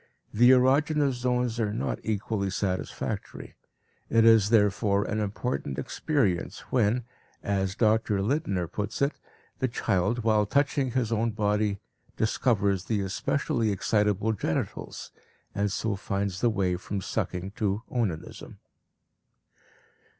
The erogenous zones are not equally satisfactory; it is therefore an important experience when, as Dr. Lindner puts it, the child while touching his own body discovers the especially excitable genitals, and so finds the way from sucking to onanism.